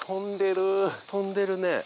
飛んでるね。